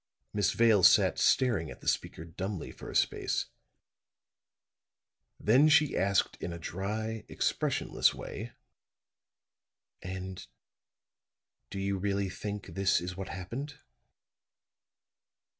Miss Vale sat staring at the speaker dumbly for a space; then she asked in a dry, expressionless way: "And do you really think this is what happened?"